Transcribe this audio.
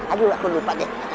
aduh aku lupa deh